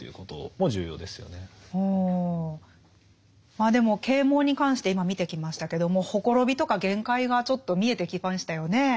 まあでも啓蒙に関して今見てきましたけども綻びとか限界がちょっと見えてきましたよね。